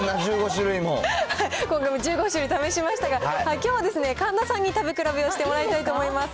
１５種類試しましたが、今回は神田さんに食べ比べをしてもらいたいと思います。